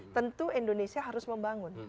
tentu indonesia harus membangun